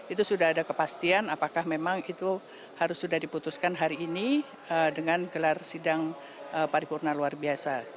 itu sudah ada kepastian apakah memang itu harus sudah diputuskan hari ini dengan gelar sidang paripurna luar biasa